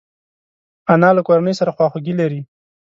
انا له کورنۍ سره خواخوږي لري